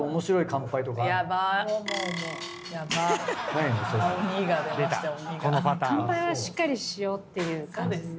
乾杯はしっかりしようっていう感じ。